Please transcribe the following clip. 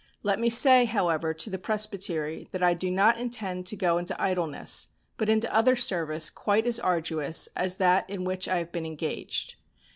Let me say, however, to the Presbytery, that I do not intend to go into idleness, but into other service quite as arduous as that in which I have been engaged.